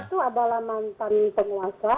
yang pertama itu adalah mantan penguasa